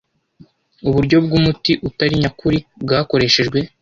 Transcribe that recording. uburyo bw'umuti utari nyakuri bwakoreshejwe,